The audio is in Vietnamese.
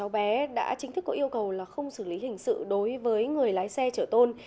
cháu bé đã chính thức có yêu cầu là không xử lý hình sự đối với người lái xe chở tôn